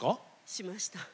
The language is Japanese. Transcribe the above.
しました。